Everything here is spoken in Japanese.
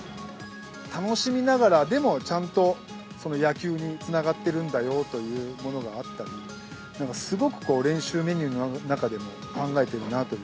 楽しみながらでも、ちゃんと野球につながっているんだよというものがあったり、なんかすごくこう、練習メニューの中でも考えているなという。